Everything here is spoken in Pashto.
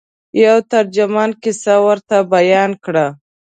یوه ترجمان کیسه ورته بیان کړه.